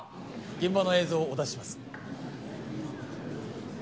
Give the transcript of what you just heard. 現場の映像をお出しします